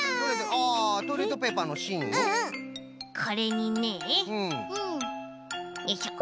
これにねよいしょ